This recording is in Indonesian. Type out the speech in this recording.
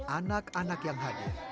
anak anak yang hadir